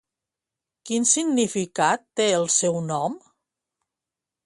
Quin significat té el seu nom?